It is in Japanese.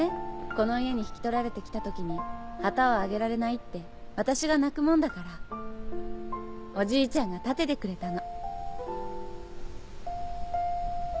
この家に引き取られてきた時に旗をあげられないって私が泣くもんだからおじいちゃんが建ててくれたの。